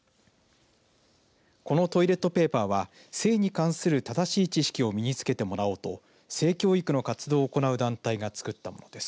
このトイレットペーパーは性に関する正しい知識を身につけてもらおうと性教育の活動を行う団体が作ったものです。